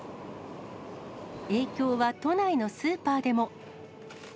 影響は都内のスーパーでも。